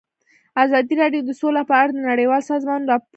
ازادي راډیو د سوله په اړه د نړیوالو سازمانونو راپورونه اقتباس کړي.